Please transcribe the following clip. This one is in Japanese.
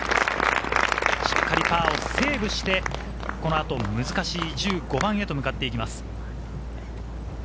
しっかりパーをセーブして、このあと、難しい１５番へと向かっていきます。